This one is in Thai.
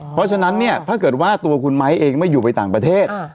เพราะฉะนั้นเนี่ยถ้าเกิดว่าตัวคุณไม้เองไม่อยู่ไปต่างประเทศ